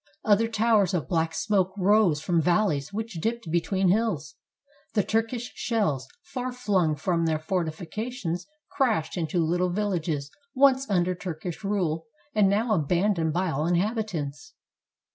Other towers of black smoke rose from valleys which dipped between hills. The Turk ish shells, far flung from their fortifications, crashed into Httle villages once under Turkish rule and now abandoned by all inhabitants.